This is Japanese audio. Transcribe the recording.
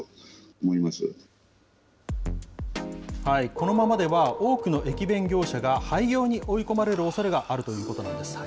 このままでは、多くの駅弁業者が廃業に追い込まれるおそれがあるということなんです。